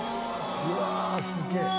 「うわすげえ」